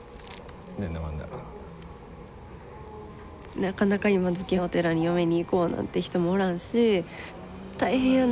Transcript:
なかなか今どきお寺に嫁にいこうなんて人もおらんし「大変やね」